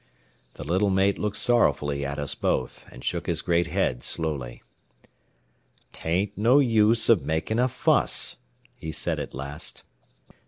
The little mate looked sorrowfully at us both, and shook his great head slowly. "'Tain't no use o' makin' a fuss," he said at last.